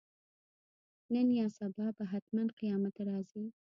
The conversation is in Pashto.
نن یا سبا به حتماً قیامت راځي.